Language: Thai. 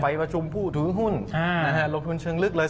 ประชุมผู้ถือหุ้นลงทุนเชิงลึกเลย